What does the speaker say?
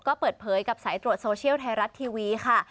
ก็เปิดเผยกับสายตรวจโซเชียลไทยรัฐทีวีค่ะ